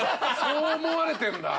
そう思われてんだ。